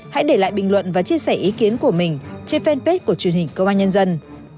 hãy để lại bình luận và chia sẻ ý kiến của mình trên fanpage của truyền hình công an nhân dân